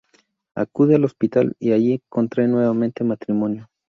Acude al hospital y allí contraen nuevamente matrimonio.